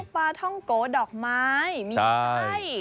ปลาท่องโกดอกไม้มีไส้